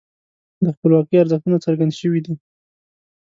د خپلواکۍ ارزښتونه څرګند شوي دي.